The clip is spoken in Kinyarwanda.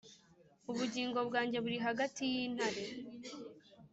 Ubugingo bwanjye burihagati yintare